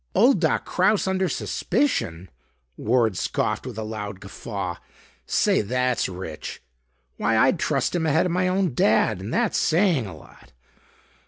"Old Doc Kraus under suspicion!" Ward scoffed with a loud guffaw. "Say, that's rich. Why, I'd trust him ahead of my own Dad and that's saying a lot.